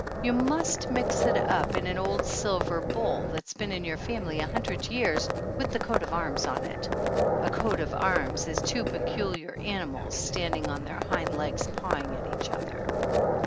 You must mix it up in an old sil ver bowl that has been in your family a hundred years with the coat of arms on it. A coat of arms is two peculiar animals standing on their hind legs pawing at each other.